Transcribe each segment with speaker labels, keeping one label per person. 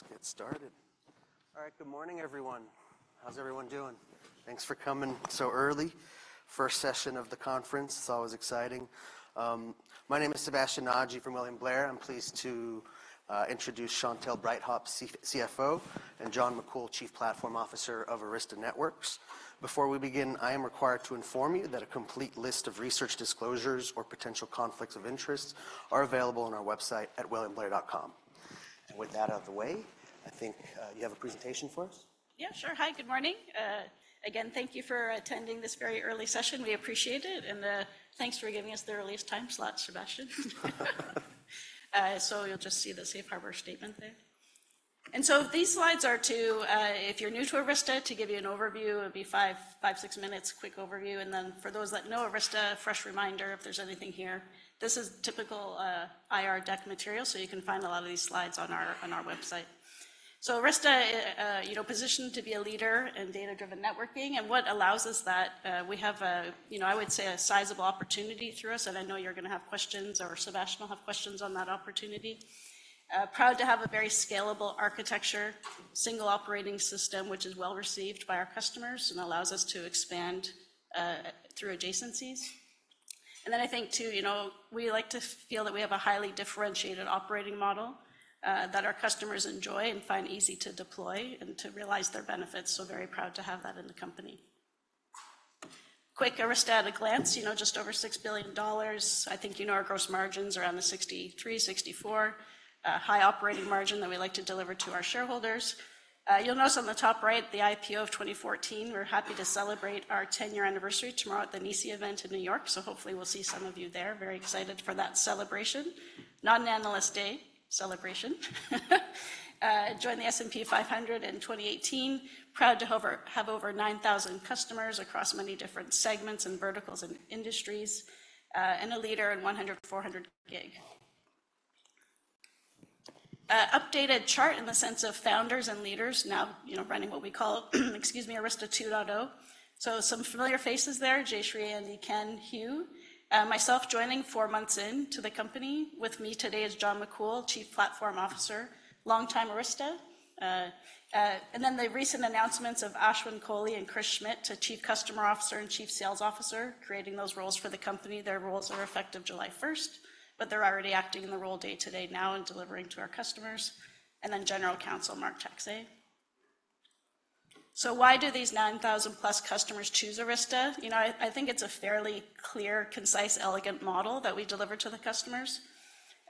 Speaker 1: Let's get started. All right, good morning, everyone. How's everyone doing? Thanks for coming so early. First session of the conference, it's always exciting. My name is Sebastien Naji from William Blair. I'm pleased to introduce Chantelle Breithaupt, CFO, and John McCool, Chief Platform Officer of Arista Networks. Before we begin, I am required to inform you that a complete list of research disclosures or potential conflicts of interest are available on our website at williamblair.com. And with that out of the way, I think you have a presentation for us?
Speaker 2: Yeah, sure. Hi, good morning. Again, thank you for attending this very early session. We appreciate it, and thanks for giving us the earliest time slot, Sebastien. So you'll just see the Safe Harbor statement there. So these slides are to, if you're new to Arista, to give you an overview, it'll be five to six minutes, quick overview. And then for those that know Arista, fresh reminder if there's anything here. This is typical, IR deck material, so you can find a lot of these slides on our, on our website. So Arista, you know, positioned to be a leader in data-driven networking, and what allows us that, we have a, you know, I would say, a sizable opportunity through us, and I know you're gonna have questions, or Sebastien will have questions on that opportunity. Proud to have a very scalable architecture, single operating system, which is well-received by our customers and allows us to expand through adjacencies. And then I think, too, you know, we like to feel that we have a highly differentiated operating model that our customers enjoy and find easy to deploy and to realize their benefits, so very proud to have that in the company. Quick, Arista at a glance, you know, just over $6 billion. I think you know our gross margin's around the 63%-64%, high operating margin that we like to deliver to our shareholders. You'll notice on the top right, the IPO of 2014. We're happy to celebrate our 10-year anniversary tomorrow at the NYSE event in New York, so hopefully we'll see some of you there. Very excited for that celebration. Not an analyst day, celebration. Joined the S&P 500 in 2018. Proud to have over 9,000 customers across many different segments and verticals and industries, and a leader in 100 gig and 400 gig. Updated chart in the sense of founders and leaders now, you know, running what we call, excuse me, Arista 2.0. So some familiar faces there, Jayshree, Andy, Ken, Hugh. Myself joining four months into the company. With me today is John McCool, Chief Platform Officer, longtime Arista. And then the recent announcements of Ashwin Kohli and Chris Schmidt to Chief Customer Officer and Chief Sales Officer, creating those roles for the company. Their roles are effective July 1, but they're already acting in the role day-to-day now and delivering to our customers. And then General Counsel, Marc Taxay. So why do these 9,000-plus customers choose Arista? You know, I think it's a fairly clear, concise, elegant model that we deliver to the customers.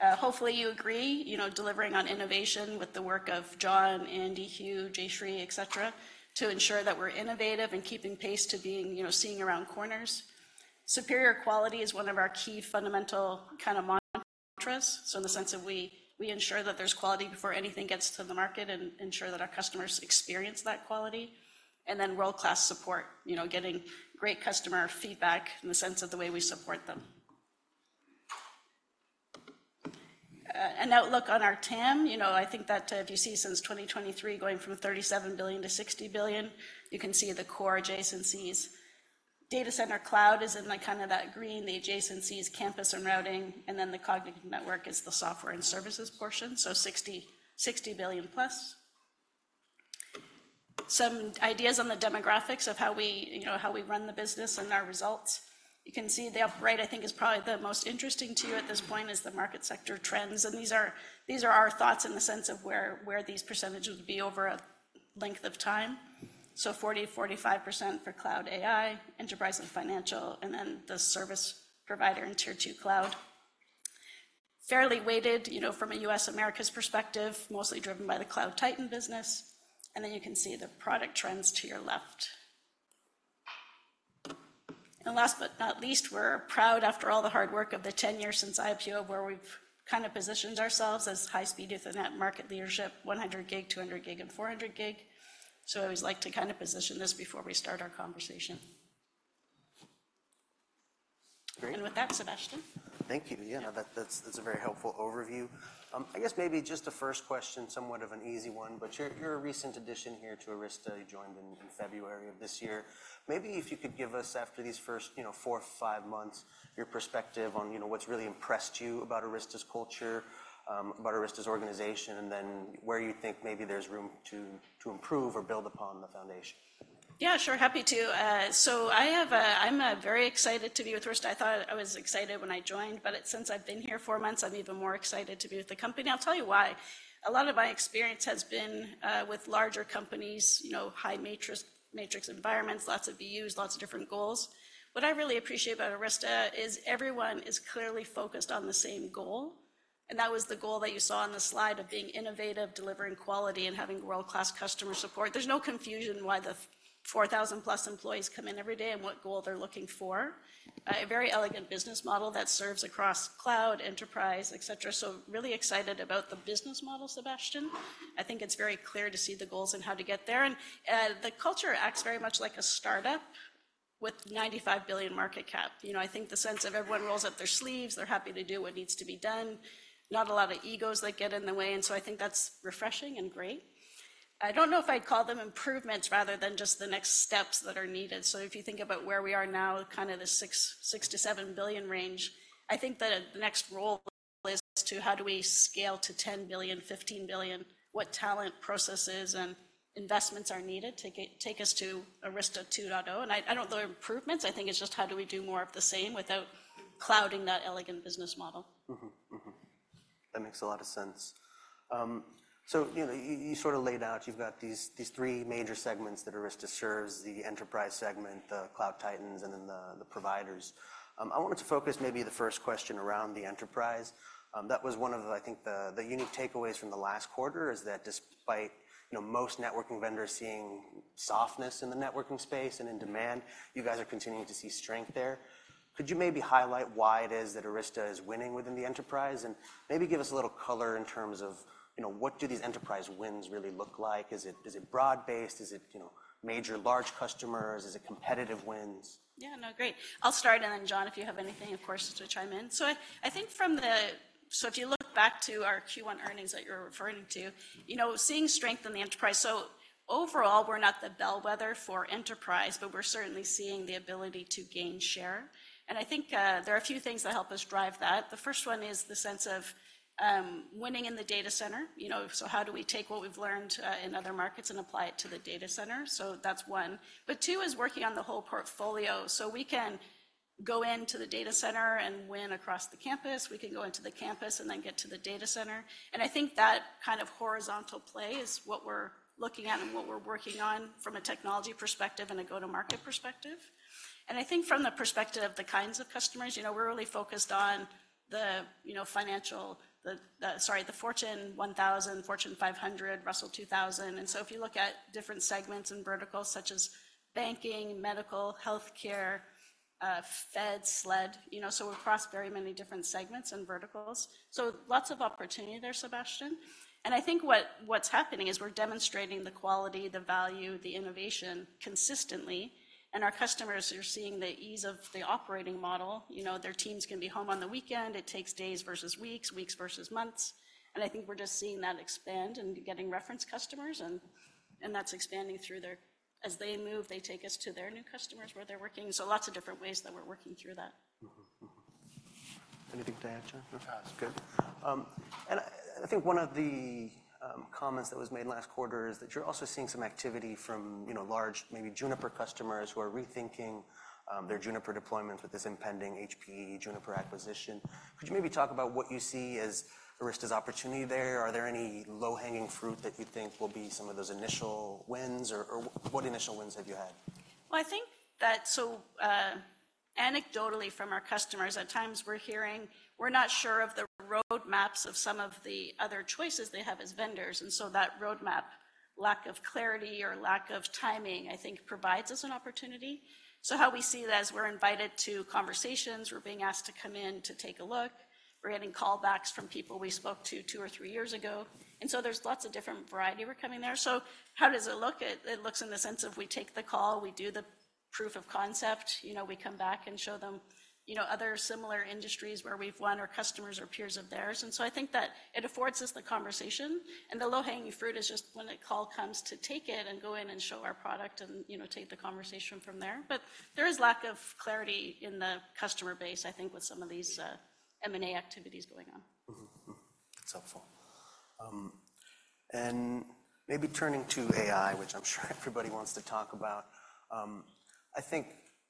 Speaker 2: Hopefully, you agree, you know, delivering on innovation with the work of John, Andy, Hugh, Jayshree, et cetera, to ensure that we're innovative and keeping pace to being, you know, seeing around corners. Superior quality is one of our key fundamental kind of mantras. So in the sense of we ensure that there's quality before anything gets to the market and ensure that our customers experience that quality, and then world-class support, you know, getting great customer feedback in the sense of the way we support them. An outlook on our TAM. You know, I think that if you see since 2023, going from $37 billion to $60 billion, you can see the core adjacencies. Data center cloud is in, like, kind of that green, the adjacencies, campus and routing, and then the cognitive network is the software and services portion, so $60 billion plus. Some ideas on the demographics of how we, you know, how we run the business and our results. You can see the upper right, I think is probably the most interesting to you at this point, is the market sector trends. These are our thoughts in the sense of where these percentages would be over a length of time. So 40%-45% for cloud AI, enterprise and financial, and then the service provider and Tier 2 cloud. Fairly weighted, you know, from a U.S. Americas perspective, mostly driven by the cloud titan business, and then you can see the product trends to your left. And last but not least, we're proud, after all the hard work of the 10 years since IPO, where we've kind of positioned ourselves as high-speed Ethernet market leadership, 100 gig, 200 gig, and 400 gig. So I always like to kind of position this before we start our conversation.
Speaker 1: Great.
Speaker 2: With that, Sebastien?
Speaker 1: Thank you. Yeah, that's a very helpful overview. I guess maybe just the first question, somewhat of an easy one, but you're a recent addition here to Arista. You joined in February of this year. Maybe if you could give us, after these first, you know, four to five months, your perspective on, you know, what's really impressed you about Arista's culture, about Arista's organization, and then where you think maybe there's room to improve or build upon the foundation.
Speaker 2: Yeah, sure. Happy to. So I'm very excited to be with Arista. I thought I was excited when I joined, but since I've been here four months, I'm even more excited to be with the company. I'll tell you why. A lot of my experience has been with larger companies, you know, high matrix, matrix environments, lots of BUs, lots of different goals. What I really appreciate about Arista is everyone is clearly focused on the same goal, and that was the goal that you saw on the slide of being innovative, delivering quality, and having world-class customer support. There's no confusion why the 4,000-plus employees come in every day and what goal they're looking for. A very elegant business model that serves across cloud, enterprise, et cetera, so really excited about the business model, Sebastien. I think it's very clear to see the goals and how to get there. The culture acts very much like a startup with $95 billion market cap. You know, I think the sense of everyone rolls up their sleeves, they're happy to do what needs to be done, not a lot of egos that get in the way, and so I think that's refreshing and great. I don't know if I'd call them improvements rather than just the next steps that are needed. If you think about where we are now, kind of the $6 billion-$7 billion range, the next role is to how do we scale to $10 billion, $15 billion? What talent, processes, and investments are needed to get take us to Arista 2.0? I don't know, improvements. I think it's just how do we do more of the same without clouding that elegant business model?
Speaker 1: Mm-hmm. Mm-hmm. That makes a lot of sense. So, you know, you sort of laid out, you've got these three major segments that Arista serves, the enterprise segment, the cloud titans, and then the providers. I wanted to focus maybe the first question around the enterprise. That was one of the, I think, the unique takeaways from the last quarter, is that despite, you know, most networking vendors seeing softness in the networking space and in demand, you guys are continuing to see strength there. Could you maybe highlight why it is that Arista is winning within the enterprise? And maybe give us a little color in terms of, you know, what do these enterprise wins really look like? Is it broad-based? Is it, you know, major large customers? Is it competitive wins?
Speaker 2: Yeah, no, great. I'll start, and then, John, if you have anything, of course, to chime in. So I think—so if you look back to our Q1 earnings that you're referring to, you know, seeing strength in the enterprise. So overall, we're not the bellwether for enterprise, but we're certainly seeing the ability to gain share. And I think, there are a few things that help us drive that. The first one is the sense of winning in the data center. You know, so how do we take what we've learned in other markets and apply it to the data center? So that's one, but two is working on the whole portfolio. So we can go into the data center and win across the campus. We can go into the campus and then get to the data center. And I think that kind of horizontal play is what we're looking at and what we're working on from a technology perspective and a go-to-market perspective. And I think from the perspective of the kinds of customers, you know, we're really focused on the, you know, financial, the Fortune 1000, Fortune 500, Russell 2000. And so if you look at different segments and verticals such as banking, medical, healthcare, Fed, SLED, you know, so we're across very many different segments and verticals. So lots of opportunity there, Sebastien. And I think what, what's happening is we're demonstrating the quality, the value, the innovation consistently, and our customers are seeing the ease of the operating model. You know, their teams can be home on the weekend. It takes days versus weeks, weeks versus months, and I think we're just seeing that expand and getting reference customers, and that's expanding through their—as they move, they take us to their new customers where they're working. So lots of different ways that we're working through that.
Speaker 1: Mm-hmm. Mm-hmm. Anything to add, John?
Speaker 3: No.
Speaker 1: That's good. And I think one of the comments that was made last quarter is that you're also seeing some activity from, you know, large, maybe Juniper customers who are rethinking their Juniper deployments with this impending HPE Juniper acquisition. Could you maybe talk about what you see as Arista's opportunity there? Are there any low-hanging fruit that you think will be some of those initial wins, or what initial wins have you had?
Speaker 2: Well, I think that, so, anecdotally from our customers, at times we're hearing, we're not sure of the roadmaps of some of the other choices they have as vendors, and so that roadmap, lack of clarity or lack of timing, I think, provides us an opportunity. So how we see it as we're invited to conversations, we're being asked to come in to take a look. We're getting callbacks from people we spoke to two or three years ago, and so there's lots of different variety we're coming there. So how does it look? It, it looks in the sense of we take the call, we do the proof of concept, you know, we come back and show them, you know, other similar industries where we've won or customers or peers of theirs. So I think that it affords us the conversation, and the low-hanging fruit is just when a call comes to take it and go in and show our product and, you know, take the conversation from there. But there is lack of clarity in the customer base, I think, with some of these M&A activities going on.
Speaker 1: Mm-hmm. Mm. That's helpful. And maybe turning to AI, which I'm sure everybody wants to talk about. I think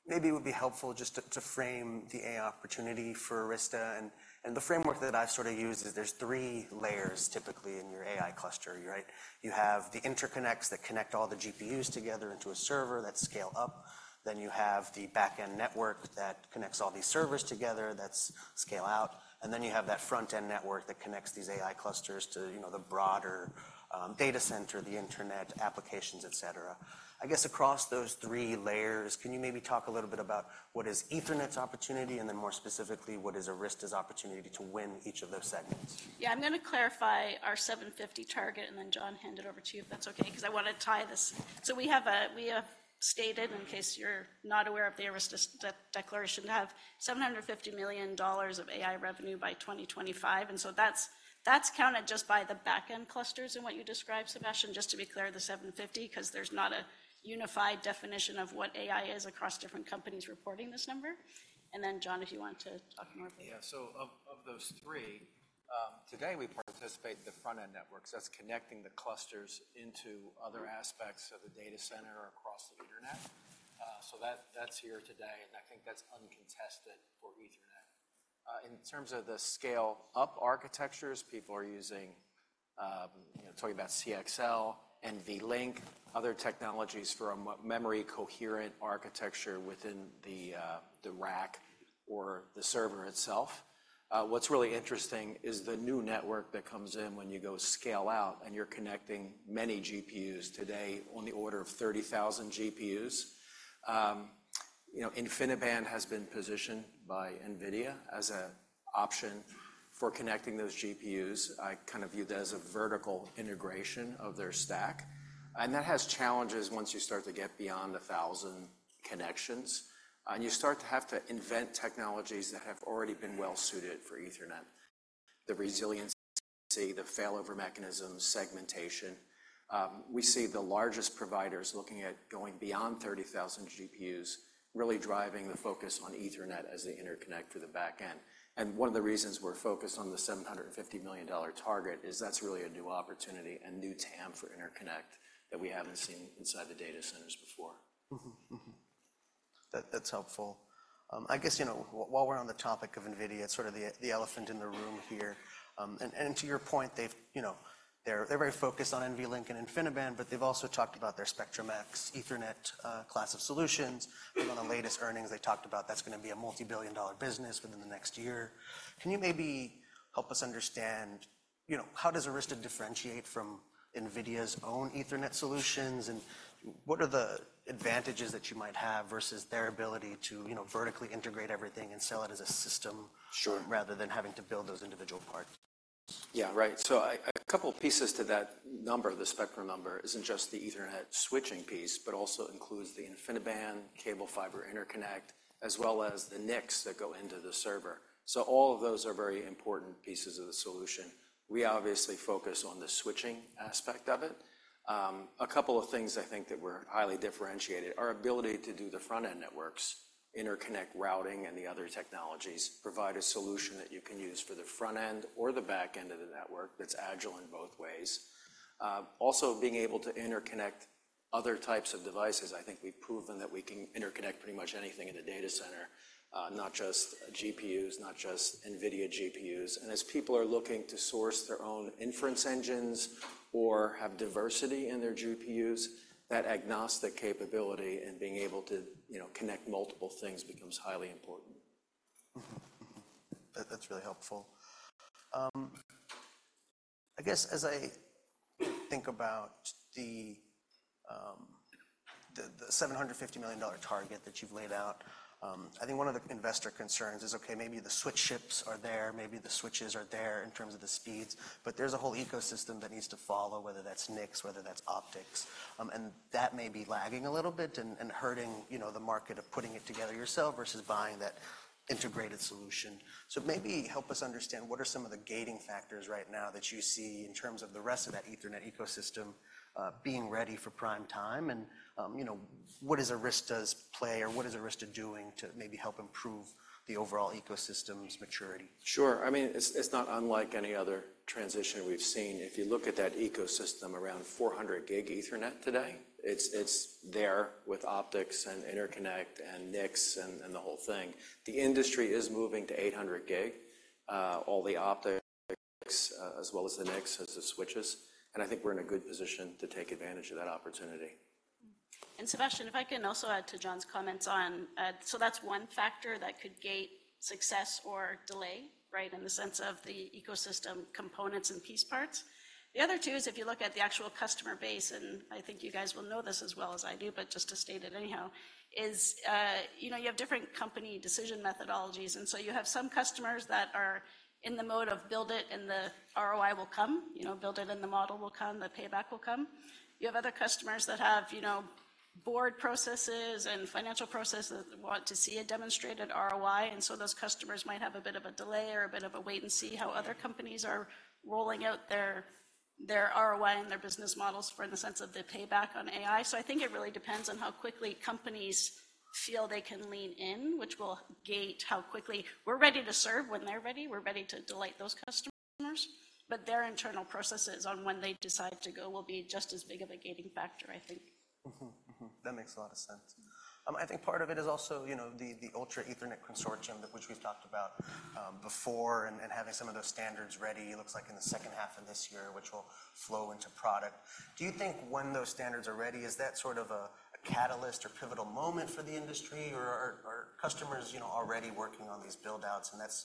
Speaker 1: maybe it would be helpful just to frame the AI opportunity for Arista, and the framework that I've sort of used is there's three layers typically in your AI cluster, right? You have the interconnects that connect all the GPUs together into a server, that's scale up. Then you have the back-end network that connects all these servers together, that's scale out. And then you have that front-end network that connects these AI clusters to, you know, the broader data center, the internet, applications, et cetera. I guess, across those three layers, can you maybe talk a little bit about what is Ethernet's opportunity, and then more specifically, what is Arista's opportunity to win each of those segments?
Speaker 2: Yeah, I'm gonna clarify our 750 target, and then, John, hand it over to you if that's okay, because I wanna tie this. So we have stated, in case you're not aware of the Arista declaration, to have $750 million of AI revenue by 2025, and so that's, that's counted just by the back-end clusters in what you described, Sebastien, just to be clear, the 750, 'cause there's not a unified definition of what AI is across different companies reporting this number. And then, John, if you want to talk more, please.
Speaker 3: Yeah, so of those three, today we participate in the front-end networks. That's connecting the clusters into other aspects of the data center across the internet. So that's here today, and I think that's uncontested for Ethernet. In terms of the scale-up architectures, people are using, you know, talking about CXL, NVLink, other technologies from memory coherent architecture within the rack or the server itself. What's really interesting is the new network that comes in when you go scale out, and you're connecting many GPUs today on the order of 30,000 GPUs. You know, InfiniBand has been positioned by NVIDIA as a option for connecting those GPUs. I kind of view that as a vertical integration of their stack, and that has challenges once you start to get beyond 1,000 connections, and you start to have to invent technologies that have already been well suited for Ethernet—the resiliency, the failover mechanisms, segmentation. We see the largest providers looking at going beyond 30,000 GPUs, really driving the focus on Ethernet as they interconnect to the back end. And one of the reasons we're focused on the $750 million target is that's really a new opportunity, a new TAM for interconnect that we haven't seen inside the data centers before.
Speaker 1: Mm-hmm. Mm-hmm. That's helpful. I guess, you know, while we're on the topic of NVIDIA, sort of the elephant in the room here, and to your point, they've, you know, they're very focused on NVLink and InfiniBand, but they've also talked about their Spectrum-X Ethernet class of solutions. And on the latest earnings, they talked about that's gonna be a multi-billion-dollar business within the next year. Can you maybe help us understand, you know, how does Arista differentiate from NVIDIA's own Ethernet solutions, and what are the advantages that you might have versus their ability to, you know, vertically integrate everything and sell it as a system-
Speaker 3: Sure.
Speaker 1: rather than having to build those individual parts?
Speaker 3: Yeah, right. So a couple pieces to that number, the Spectrum number, isn't just the Ethernet switching piece, but also includes the InfiniBand, cable fiber interconnect, as well as the NICs that go into the server. So all of those are very important pieces of the solution. We obviously focus on the switching aspect of it. A couple of things I think that we're highly differentiated, our ability to do the front-end networks, interconnect routing, and the other technologies provide a solution that you can use for the front end or the back end of the network that's agile in both ways. Also being able to interconnect other types of devices, I think we've proven that we can interconnect pretty much anything in a Data Center, not just GPUs, not just NVIDIA GPUs. As people are looking to source their own inference engines or have diversity in their GPUs, that agnostic capability and being able to, you know, connect multiple things becomes highly important.
Speaker 1: Mm-hmm. Mm-hmm. That, that's really helpful. I guess as I think about the $750 million target that you've laid out, I think one of the investor concerns is, okay, maybe the switch chips are there, maybe the switches are there in terms of the speeds, but there's a whole ecosystem that needs to follow, whether that's NICs, whether that's optics, and that may be lagging a little bit and hurting, you know, the market of putting it together yourself versus buying that integrated solution. So maybe help us understand what are some of the gating factors right now that you see in terms of the rest of that Ethernet ecosystem being ready for prime time? And, you know, what is Arista's play, or what is Arista doing to maybe help improve the overall ecosystem's maturity?
Speaker 3: Sure. I mean, it's, it's not unlike any other transition we've seen. If you look at that ecosystem around 400 gig Ethernet today, it's, it's there with optics and interconnect and NICs and, and the whole thing. The industry is moving to 800 gig, all the optics, as well as the NICs, as the switches, and I think we're in a good position to take advantage of that opportunity.
Speaker 2: Sebastien, if I can also add to John's comments on, so that's one factor that could gate success or delay, right, in the sense of the ecosystem components and piece parts. The other two is, if you look at the actual customer base, and I think you guys will know this as well as I do, but just to state it anyhow, is, you know, you have different company decision methodologies, and so you have some customers that are in the mode of build it, and the ROI will come. You know, build it, and the model will come, the payback will come. You have other customers that have, you know, board processes and financial processes that want to see a demonstrated ROI, and so those customers might have a bit of a delay or a bit of a wait and see how other companies are rolling out their, their ROI and their business models for the sense of the payback on AI. So I think it really depends on how quickly companies feel they can lean in, which will gate how quickly. We're ready to serve when they're ready. We're ready to delight those customers, but their internal processes on when they decide to go will be just as big of a gating factor, I think.
Speaker 1: Mm-hmm. Mm-hmm. That makes a lot of sense. I think part of it is also, you know, the, the Ultra Ethernet Consortium, which we've talked about, before, and, and having some of those standards ready. It looks like in the second half of this year, which will flow into product. Do you think when those standards are ready, is that sort of a, a catalyst or pivotal moment for the industry, or are, are customers, you know, already working on these build-outs, and that's,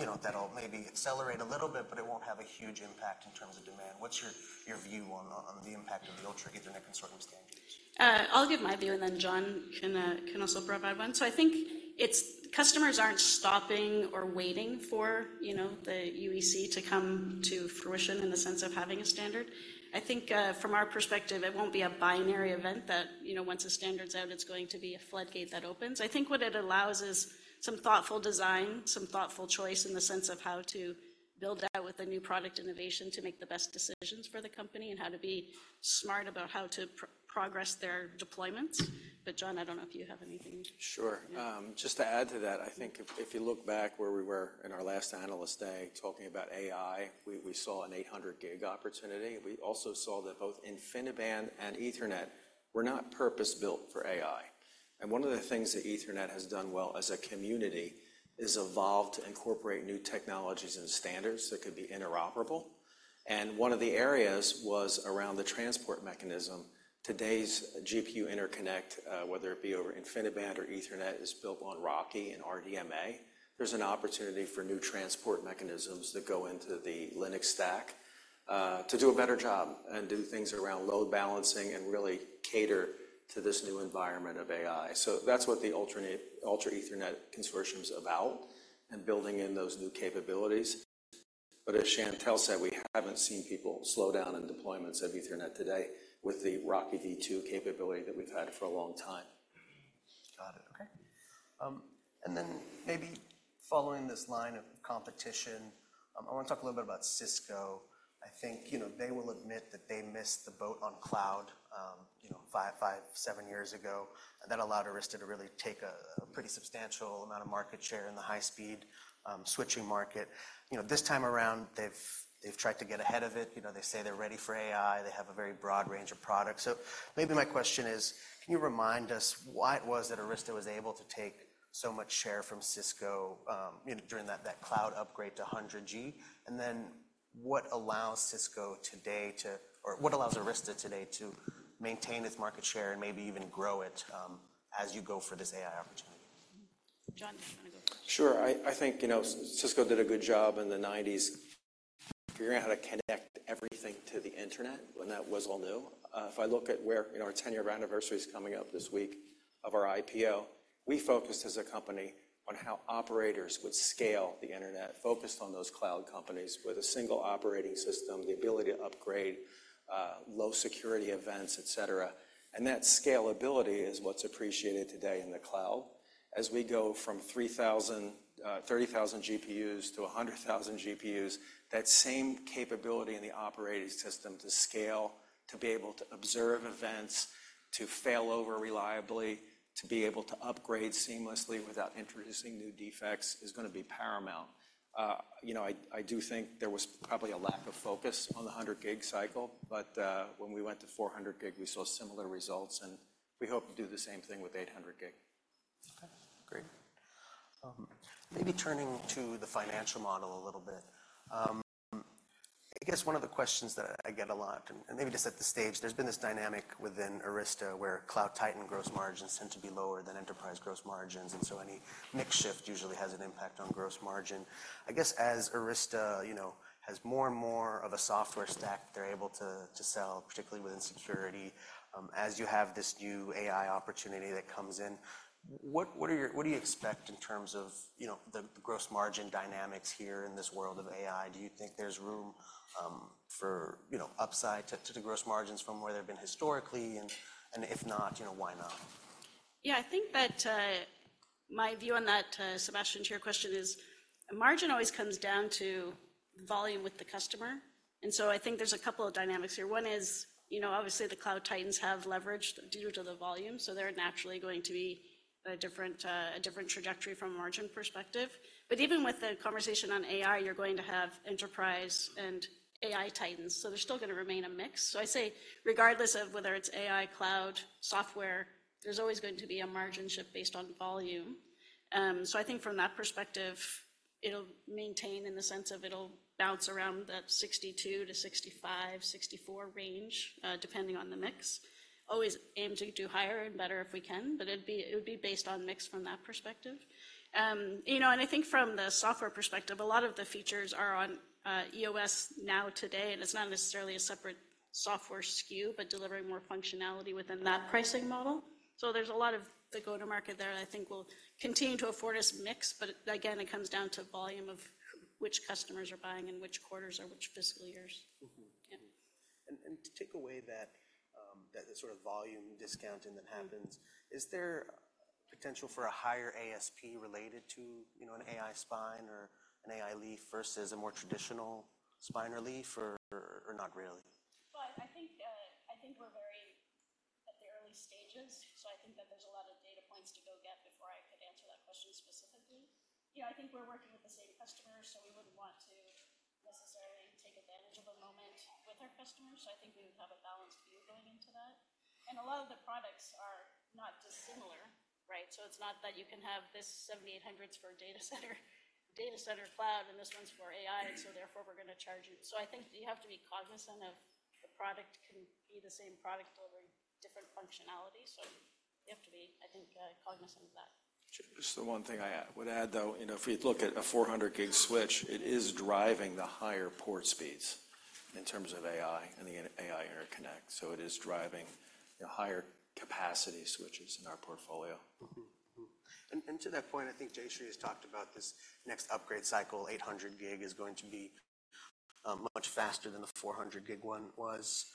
Speaker 1: you know, that'll maybe accelerate a little bit, but it won't have a huge impact in terms of demand? What's your, your view on, on the impact of the Ultra Ethernet Consortium standards?
Speaker 2: I'll give my view, and then John can, can also provide one. So I think it's customers aren't stopping or waiting for, you know, the UEC to come to fruition in the sense of having a standard. I think, from our perspective, it won't be a binary event that, you know, once the standard's out, it's going to be a floodgate that opens. I think what it allows is some thoughtful design, some thoughtful choice in the sense of how to build out with the new product innovation to make the best decisions for the company and how to be smart about how to progress their deployments. But John, I don't know if you have anything.
Speaker 3: Sure.
Speaker 2: Yeah.
Speaker 3: Just to add to that, I think if you look back where we were in our last analyst day talking about AI, we saw an 800 gig opportunity. We also saw that both InfiniBand and Ethernet were not purpose-built for AI. And one of the things that Ethernet has done well as a community is evolve to incorporate new technologies and standards that could be interoperable, and one of the areas was around the transport mechanism. Today's GPU interconnect, whether it be over InfiniBand or Ethernet, is built on RoCE and RDMA. There's an opportunity for new transport mechanisms that go into the Linux stack, to do a better job and do things around load balancing and really cater to this new environment of AI. So that's what the Ultra Ethernet Consortium is about and building in those new capabilities. But as Chantelle said, we haven't seen people slow down in deployments of Ethernet today with the RoCEv2 capability that we've had for a long time.
Speaker 1: Okay. And then maybe following this line of competition, I want to talk a little bit about Cisco. I think, you know, they will admit that they missed the boat on cloud, you know, five to seven years ago. That allowed Arista to really take a pretty substantial amount of market share in the high speed switching market. You know, this time around, they've tried to get ahead of it. You know, they say they're ready for AI. They have a very broad range of products. So maybe my question is: Can you remind us why it was that Arista was able to take so much share from Cisco, you know, during that cloud upgrade to 100 G? What allows Cisco today to, or what allows Arista today to maintain its market share and maybe even grow it, as you go for this AI opportunity?
Speaker 2: John, do you want to go first?
Speaker 3: Sure. I think, you know, Cisco did a good job in the 1990s figuring out how to connect everything to the internet when that was all new. If I look at where, you know, our 10-year anniversary is coming up this week of our IPO, we focused as a company on how operators would scale the internet, focused on those cloud companies with a single operating system, the ability to upgrade, low security events, etc. And that scalability is what's appreciated today in the cloud. As we go from 3,000, 30,000 GPUs to 100,000 GPUs, that same capability in the operating system to scale, to be able to observe events, to fail over reliably, to be able to upgrade seamlessly without introducing new defects, is gonna be paramount. You know, I do think there was probably a lack of focus on the 100 gig cycle, but when we went to 400 gig, we saw similar results, and we hope to do the same thing with 800 gig.
Speaker 1: Okay, great. Maybe turning to the financial model a little bit. I guess one of the questions that I get a lot, and maybe just set the stage, there's been this dynamic within Arista where cloud titan gross margins tend to be lower than enterprise gross margins, and so any mix shift usually has an impact on gross margin. I guess as Arista, you know, has more and more of a software stack, they're able to to sell, particularly within security, as you have this new AI opportunity that comes in, what do you expect in terms of, you know, the gross margin dynamics here in this world of AI? Do you think there's room for, you know, upside to the gross margins from where they've been historically? And if not, you know, why not?
Speaker 2: Yeah, I think that, my view on that, Sebastien, to your question, is margin always comes down to volume with the customer. So I think there's a couple of dynamics here. One is, you know, obviously, the Cloud Titans have leverage due to the volume, so they're naturally going to be a different, a different trajectory from a margin perspective. But even with the conversation on AI, you're going to have enterprise and AI titans, so they're still gonna remain a mix. So I say, regardless of whether it's AI, cloud, software, there's always going to be a margin shift based on volume. So I think from that perspective, it'll maintain in the sense of it'll bounce around that 62%-65%, 64% range, depending on the mix. Always aim to do higher and better if we can, but it'd be-- it would be based on mix from that perspective. You know, and I think from the software perspective, a lot of the features are on EOS now today, and it's not necessarily a separate software SKU, but delivering more functionality within that pricing model. So there's a lot of the go-to-market there that I think will continue to afford us mix, but again, it comes down to volume of which customers are buying in which quarters or which fiscal years.
Speaker 1: Mm-hmm. To take away that sort of volume discounting that happens, is there potential for a higher ASP related to, you know, an AI spine or an AI leaf versus a more traditional spine or leaf or not really?
Speaker 2: Well, I think, I think we're very at the early stages, so I think that there's a lot of data points to go get before I could answer that question specifically. Yeah, I think we're working with the same customers, so we wouldn't want to necessarily take advantage of a moment with our customers. So I think we would have a balanced view going into that. And a lot of the products are not dissimilar, right? So it's not that you can have this 7800s for a data center, data center cloud, and this one's for AI, so therefore, we're going to charge you. So I think you have to be cognizant of the product can be the same product delivering different functionalities, so you have to be, I think, cognizant of that.
Speaker 3: Just the one thing I would add, though, you know, if we look at a 400 gig switch, it is driving the higher port speeds in terms of AI and the AI interconnect. So it is driving the higher capacity switches in our portfolio.
Speaker 1: Mm-hmm. Mm-hmm. And to that point, I think Jayshree has talked about this next upgrade cycle, 800 gig is going to be much faster than the 400 gig one was.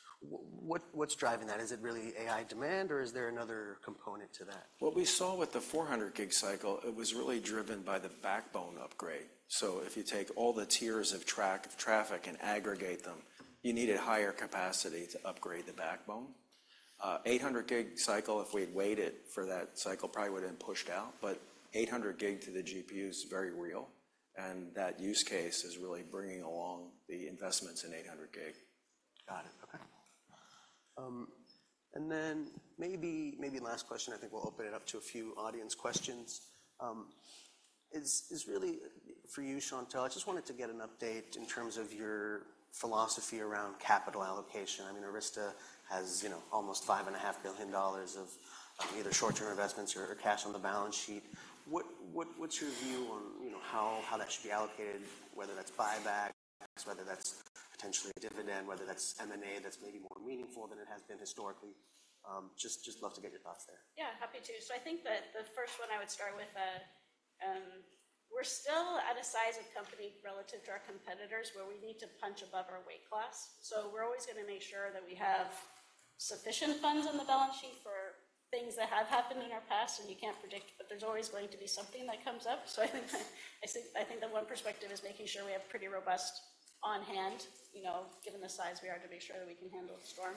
Speaker 1: What, what's driving that? Is it really AI demand, or is there another component to that?
Speaker 3: What we saw with the 400 gig cycle, it was really driven by the backbone upgrade. So if you take all the tiers of traffic and aggregate them, you needed higher capacity to upgrade the backbone. 800 gig cycle, if we'd waited for that cycle, probably would've been pushed out, but 800 gig to the GPU is very real, and that use case is really bringing along the investments in 800 gig.
Speaker 1: Got it. Okay. And then maybe last question, I think we'll open it up to a few audience questions. Is really for you, Chantelle. I just wanted to get an update in terms of your philosophy around capital allocation. I mean, Arista has, you know, almost $5.5 billion of either short-term investments or cash on the balance sheet. What's your view on, you know, how that should be allocated, whether that's buybacks, whether that's potentially a dividend, whether that's M&A, that's maybe more meaningful than it has been historically? Just love to get your thoughts there.
Speaker 2: Yeah, happy to. So I think that the first one I would start with... We're still at a size of company relative to our competitors, where we need to punch above our weight class. So we're always going to make sure that we have sufficient funds on the balance sheet for things that have happened in our past, and you can't predict, but there's always going to be something that comes up. So I think the one perspective is making sure we have pretty robust on hand, you know, given the size we are, to make sure that we can handle the storm.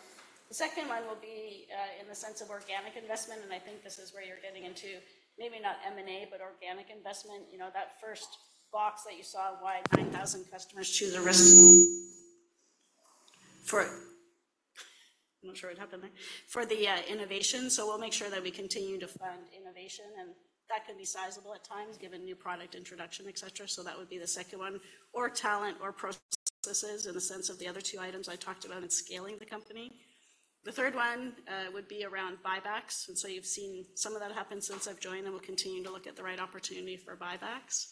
Speaker 2: The second one will be in the sense of organic investment, and I think this is where you're getting into, maybe not M&A, but organic investment. You know, that first box that you saw, why 9,000 customers choose Arista, for—I'm not sure what happened there, for the innovation. So we'll make sure that we continue to fund innovation, and that can be sizable at times, given new product introduction, et cetera. So that would be the second one, or talent, or processes in the sense of the other two items I talked about in scaling the company. The third one would be around buybacks, and so you've seen some of that happen since I've joined, and we'll continue to look at the right opportunity for buybacks.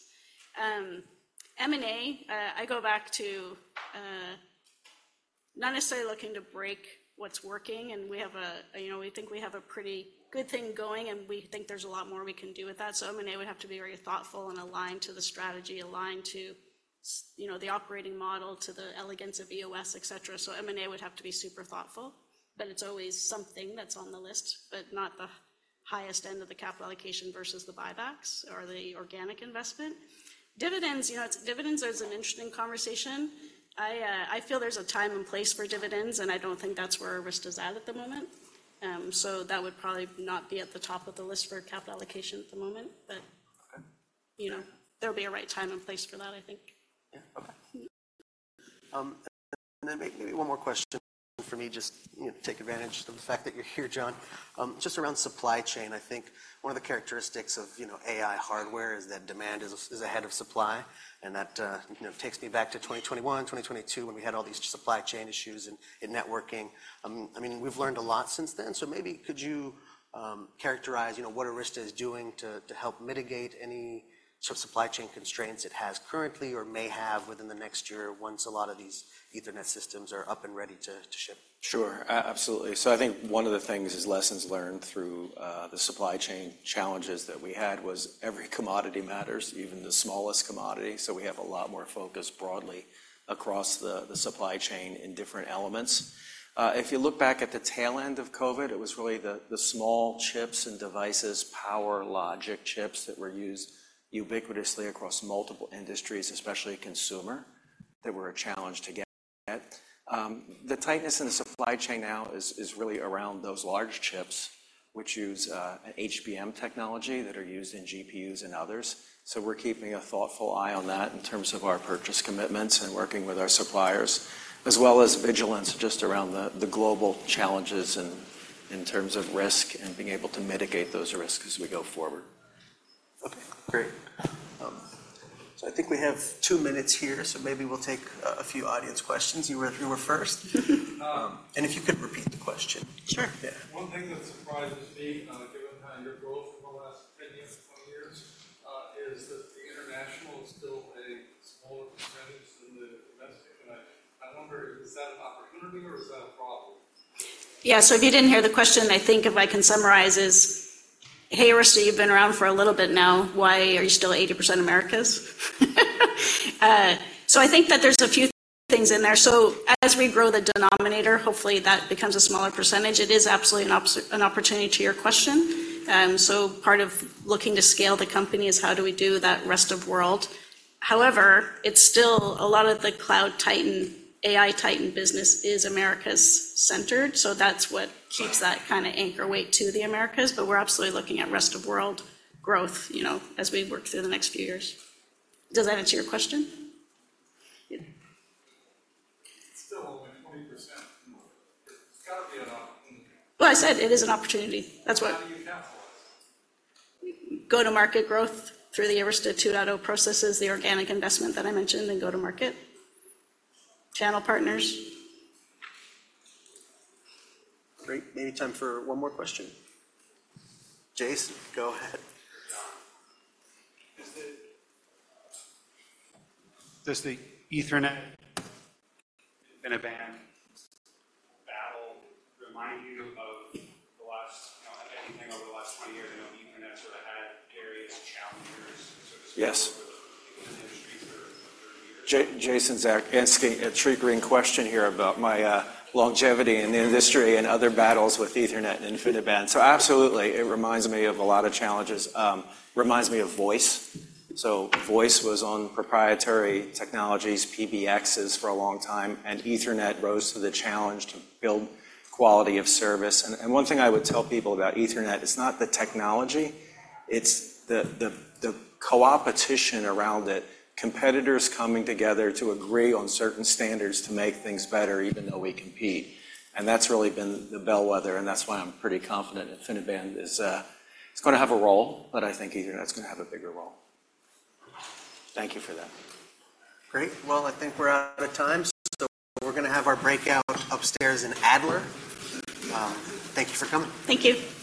Speaker 2: M&A, I go back to, not necessarily looking to break what's working, and we have a, you know, we think we have a pretty good thing going, and we think there's a lot more we can do with that. So M&A would have to be very thoughtful and aligned to the strategy, aligned to you know, the operating model, to the elegance of EOS, et cetera. So M&A would have to be super thoughtful, but it's always something that's on the list, but not the highest end of the capital allocation versus the buybacks or the organic investment. Dividends, you know, it's—dividends is an interesting conversation. I, I feel there's a time and place for dividends, and I don't think that's where Arista is at, at the moment. So that would probably not be at the top of the list for capital allocation at the moment, but- You know, there'll be a right time and place for that, I think.
Speaker 1: Yeah. Okay. And then maybe one more question for me, just, you know, take advantage of the fact that you're here, John. Just around supply chain, I think one of the characteristics of, you know, AI hardware is that demand is ahead of supply, and that, you know, takes me back to 2021-2022, when we had all these supply chain issues in networking. I mean, we've learned a lot since then. So maybe could you characterize, you know, what Arista is doing to help mitigate any sort of supply chain constraints it has currently or may have within the next year once a lot of these Ethernet systems are up and ready to ship?
Speaker 3: Sure. Absolutely. So I think one of the things is lessons learned through the supply chain challenges that we had was every commodity matters, even the smallest commodity. So we have a lot more focus broadly across the supply chain in different elements. If you look back at the tail end of COVID, it was really the small chips and devices, power logic chips, that were used ubiquitously across multiple industries, especially consumer, that were a challenge to get. The tightness in the supply chain now is really around those large chips, which use an HBM technology that are used in GPUs and others. So we're keeping a thoughtful eye on that in terms of our purchase commitments and working with our suppliers, as well as vigilance just around the global challenges in terms of risk and being able to mitigate those risks as we go forward.
Speaker 1: Okay, great. So I think we have two minutes here, so maybe we'll take a few audience questions. You were first. And if you could repeat the question.
Speaker 2: Sure.
Speaker 1: Yeah.
Speaker 4: One thing that surprises me, given your growth over the last 10-20 years, is that the International is still a smaller percentage than the Domestic. I wonder, is that an opportunity, or is that a problem?
Speaker 2: Yeah. So if you didn't hear the question, I think if I can summarize, is: Hey, Arista, you've been around for a little bit now. Why are you still 80% Americas? So I think that there's a few things in there. So as we grow the denominator, hopefully, that becomes a smaller percentage. It is absolutely an opportunity to your question. So part of looking to scale the company is how do we do that rest of world. However, it's still a lot of the cloud titan, AI titan business is Americas centered, so that's what keeps- that kind of anchor weight to the Americas, but we're absolutely looking at rest of world growth, you know, as we work through the next few years. Does that answer your question?
Speaker 4: Yeah. It's still only 20%. It's got to be an opportunity.
Speaker 2: Well, I said it is an opportunity. That's what-
Speaker 4: How do you capitalize?
Speaker 2: Go-to-market growth through the Arista 2.0 processes, the organic investment that I mentioned in go-to-market. Channel partners.
Speaker 1: Great. Maybe time for one more question. Jason, go ahead.
Speaker 5: John, does the Ethernet and InfiniBand battle remind you of the last, you know, anything over the last 20 years? I know Ethernet sort of had various challengers, so-
Speaker 3: Yes
Speaker 5: The industries are here.
Speaker 3: Jason's asking a triggering question here about my longevity in the industry and other battles with Ethernet and InfiniBand. So absolutely, it reminds me of a lot of challenges. Reminds me of voice. So voice was on proprietary technologies, PBXs, for a long time, and Ethernet rose to the challenge to build quality of service. And one thing I would tell people about Ethernet, it's not the technology, it's the co-opetition around it, competitors coming together to agree on certain standards to make things better, even though we compete. And that's really been the bellwether, and that's why I'm pretty confident InfiniBand is gonna have a role, but I think Ethernet's gonna have a bigger role. Thank you for that.
Speaker 1: Great. Well, I think we're out of time, so we're gonna have our breakout upstairs in Adler. Thank you for coming.
Speaker 2: Thank you.